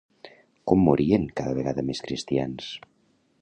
Com morien cada vegada més cristians?